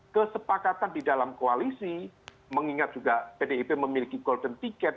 kesepakatan di dalam koalisi mengingat juga pdip memiliki golden ticket